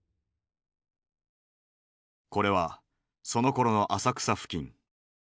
これはそのころの浅草付近。